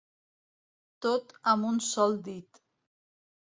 Tot amb un sol dit.